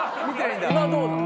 今どうなの？